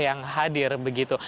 yang hadir begitu